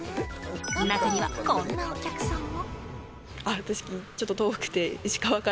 中にはこんなお客さんも。